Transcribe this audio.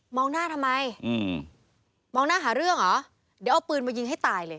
หน้าทำไมอืมมองหน้าหาเรื่องเหรอเดี๋ยวเอาปืนมายิงให้ตายเลย